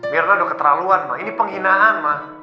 mirna udah keterlaluan ini penghinaan ma